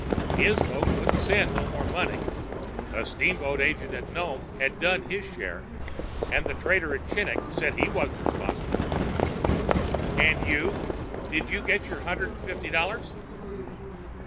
"His folks wouldn't send no more money, the steamboat agent at Nome had done his share, and the trader at Chinik said he wasn't responsible." "And you? Didn't you get your one hundred and fifty dollars?"